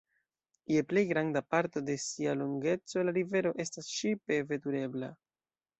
Je plej granda parto de sia longeco la rivero estas ŝipe veturebla.